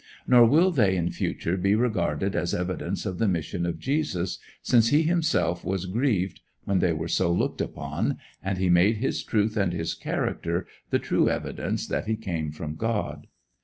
Nor will they in future be regarded as evidence of the mission of Jesus, since he himself was grieved when they were so looked upon, and he made his truth and his character the true evidence that he came from God.